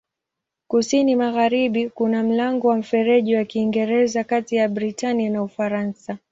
Kusini-magharibi kuna mlango wa Mfereji wa Kiingereza kati ya Britania na Ufaransa.